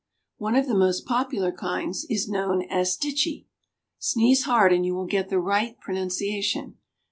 One of the most popular kinds is known as stchee. Sneeze hard and you will get the right pronuncia tion